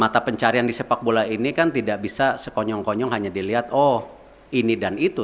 mata pencarian di sepak bola ini kan tidak bisa sekonyong konyong hanya dilihat oh ini dan itu